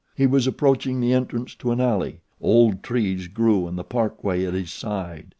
He was approaching the entrance to an alley. Old trees grew in the parkway at his side.